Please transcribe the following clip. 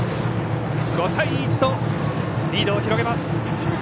５対１とリードを広げます。